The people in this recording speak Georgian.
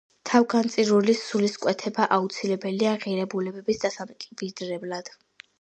თავგანწირულის სულისკვეთბა აუცილებელია ღირებულებების დასამკვიდრებლად.